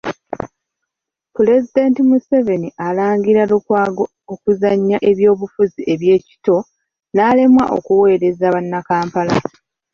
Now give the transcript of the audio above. Pulezidenti Museveni alangira Lukwago okuzannya eby’obufuzi eby’ekito n'alemwa okuweereza Bannakampala.